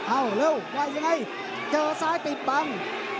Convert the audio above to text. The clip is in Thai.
เอาเร็วว่ายังไงเจอซ้ายปิดบัง